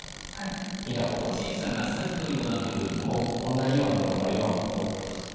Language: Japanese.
同じようなものが今も残ってます。